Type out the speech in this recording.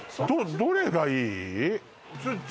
どれがいい？